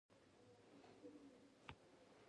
کله چې بر شو پر منزل بیا به خبرې کوو